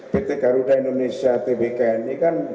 pt garuda indonesia tbk ini kan